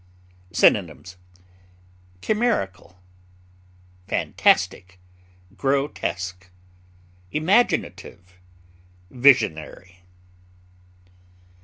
Synonyms: chimerical, fantastic, grotesque, imaginative, visionary.